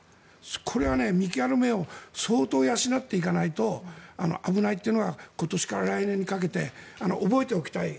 これが見極める目を相当、養っていかないと危ないというのが今年から来年にかけて覚えておきたい